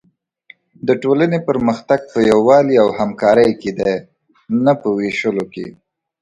د ټولنې پرمختګ په یووالي او همکارۍ کې دی، نه په وېشلو کې.